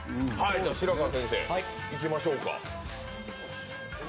白川先生、いきましょうか。